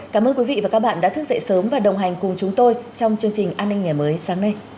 cảm ơn quý vị và các bạn đã thức dậy sớm và đồng hành cùng chúng tôi trong chương trình an ninh ngày mới sáng nay